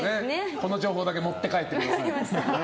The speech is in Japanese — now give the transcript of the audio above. この情報だけ持って帰ってください。